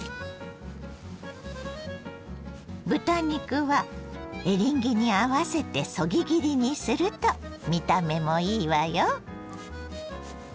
豚肉はエリンギに合わせてそぎ切りにすると見た目もいいわよ。